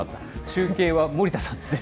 中継は森田さんですね。